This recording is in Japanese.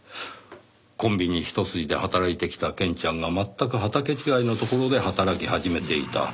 コンビニひと筋で働いてきたケンちゃんが全く畑違いのところで働き始めていた。